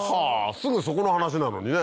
すぐそこの話なのにね。